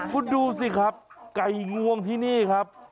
คุณดูสิครับไก่งวงที่นี่ครับ